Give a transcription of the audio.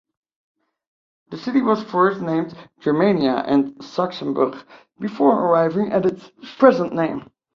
The city was first named "Germania" and "Sachsenburg" before arriving at its present name.